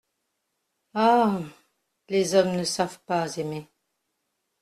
Ah ! les hommes ne savent pas aimer !…